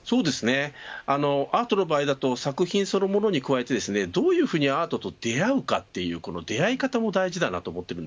アートの場合だと作品そのものに加えてどういうふうにアートと出会うかという出会い方も大事です。